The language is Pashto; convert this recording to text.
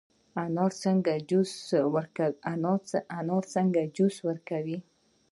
انار څنګه جوس ورکوي؟